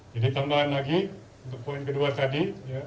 jadi tambahan lagi untuk poin kedua tadi